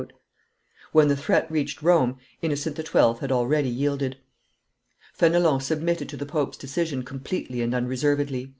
When the threat reached Rome, Innocent XII. had already yielded. Fenelon submitted to the pope's decision completely and unreservedly.